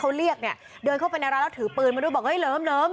เขาเรียกเนี่ยเดินเข้าไปในร้านแล้วถือปืนมาด้วยบอกเฮ้เหลิมเหลิม